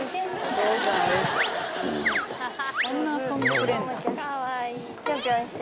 こんな遊んでくれんだ。